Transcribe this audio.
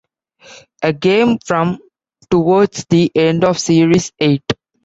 A game from towards the end of Series Eight.